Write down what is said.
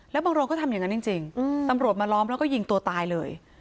แล้วบางโรงก็ทำอย่างนั้นจริงตำรวจมาล้อมแล้วก็ยิงตัวตายเลย